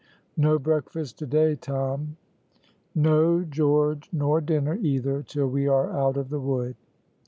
"No breakfast to day, Tom." "No, George, nor dinner, either, till we are out of the wood."